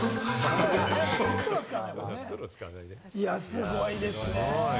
すごいですね。